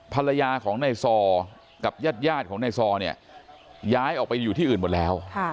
ภรรยาของนายซอกับญาติของนายซอเนี่ยย้ายออกไปอยู่ที่อื่นหมดแล้ว